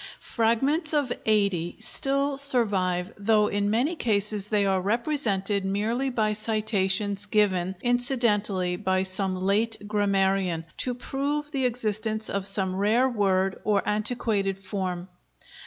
Fragments of eighty still survive; though in many cases they are represented merely by citations given incidentally by some late grammarian, to prove the existence of some rare word or antiquated form.